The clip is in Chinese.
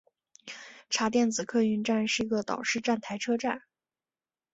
茶店子客运站是一个岛式站台车站。